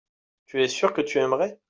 tu es sûr que tu aimerais.